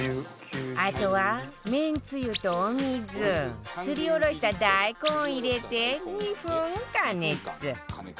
あとはめんつゆとお水すりおろした大根を入れて２分加熱